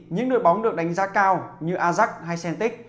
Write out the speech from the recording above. những nơi bóng được đánh giá cao như ajax hay celtic